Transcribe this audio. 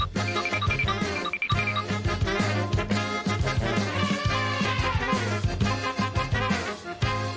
สวัสดีค่ะ